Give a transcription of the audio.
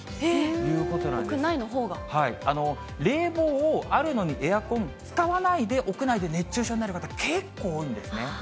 冷房を、あるのに、エアコンを使わないで、屋内で熱中症になる方、結構多いんですね。